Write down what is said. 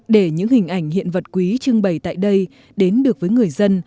để những hình ảnh hiện vật quý trưng bày tại đây đến được với người dân